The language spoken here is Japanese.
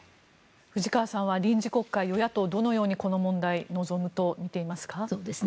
藤川さんは臨時国会与野党はどのようにこの問題に臨むと思われていますか？